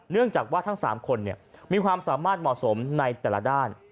เนื่องจากว่าทั้ง๓คนมีความสามารถเหมาะสมในแต่ละด้าน